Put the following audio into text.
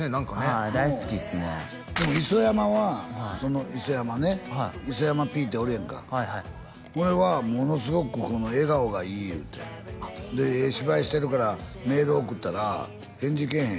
はい大好きっすねでも磯山はその磯山ね磯山Ｐっておるやんかはいはいこれはものすごく笑顔がいい言うてええ芝居してるからメール送ったら返事けえへん